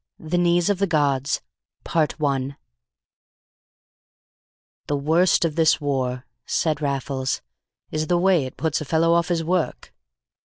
THE KNEES OF THE GODS I "The worst of this war," said Raffles, "is the way it puts a fellow off his work."